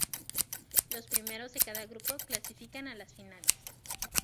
Los primeros de cada grupo clasifican a las finales.